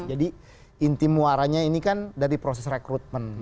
jadi intim warannya ini kan dari proses rekrutmen